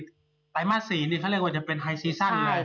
ไตรมาส๔นี่เขาเรียกว่าจะเป็นไฮซีซั่นเลย